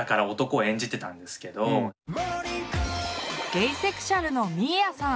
ゲイセクシュアルのみーやさん。